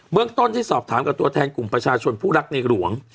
เมืองต้นได้สอบถามกับตัวแทนกลุ่มประชาชนผู้รักในหลวง